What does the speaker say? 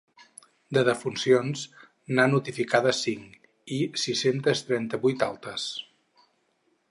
De defuncions, n’ha notificades cinc, i sis-cents trenta-vuit altes.